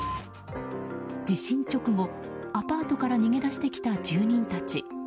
地震直後、アパートから逃げ出してきた住民たち。